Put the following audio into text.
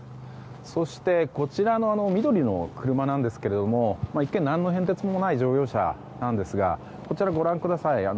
そしてこちらの緑の車なんですが一見、何の変哲もない乗用車なんですがこちら、ご覧ください。